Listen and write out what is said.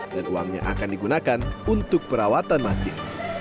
dan uangnya akan digunakan untuk perawatan masjid